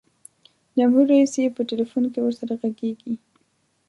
جمهور رئیس یې په ټلفون کې ورسره ږغیږي.